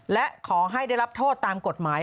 และขอให้ได้รับโทษตามกฎหมาย